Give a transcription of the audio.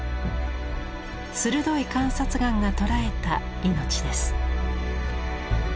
鋭い観察眼が捉えた命です。